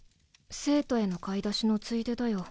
聖都への買い出しのついでだよ。